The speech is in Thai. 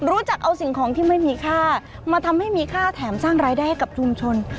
รู้จักเอาสิ่งของที่ไม่มีค่ามาทำให้มีค่าแถมสร้างรายได้ให้กับชุมชน